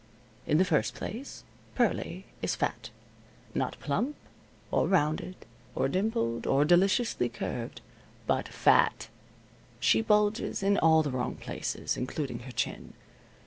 In the first place, Pearlie is fat. Not, plump, or rounded, or dimpled, or deliciously curved, but FAT. She bulges in all the wrong places, including her chin.